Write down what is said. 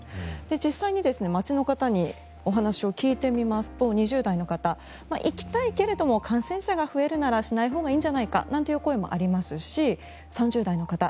実際に街の方にお話を聞いてみますと２０代の方、行きたいけれども感染者が増えるならしないほうがいいんじゃないかなんて声もありますし３０代の方